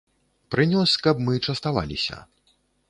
Прынёс, каб мы частаваліся.